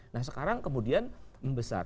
nah sekarang kemudian membesar